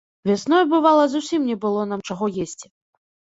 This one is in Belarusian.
Вясной, бывала, зусім не было нам чаго есці.